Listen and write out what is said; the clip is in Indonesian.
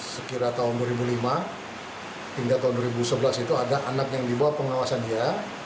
sekira tahun dua ribu lima hingga tahun dua ribu sebelas itu ada anak yang dibawa pengawasan dia